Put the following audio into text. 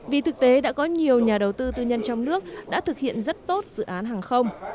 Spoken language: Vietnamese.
vì thực tế đã có nhiều nhà đầu tư tư nhân trong nước đã thực hiện rất tốt dự án hàng không